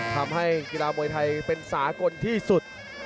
ทำให้กีฬามวยไทยเป็นสากลที่สุด